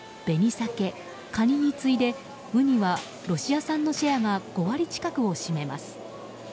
紅サケ、カニに次いでウニはロシア産のシェアが５割近くを占めます。